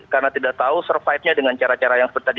karena tidak tahu survive nya dengan cara cara yang seperti tadi